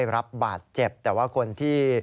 รับบาดเจ็บแต่ว่าคนที่